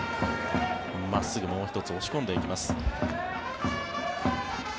真っすぐもう１つ押し込んでいきます。